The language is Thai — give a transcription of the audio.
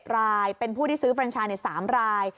๗รายเป็นผู้ที่ซื้อเฟรนชายเนี่ย๓ราย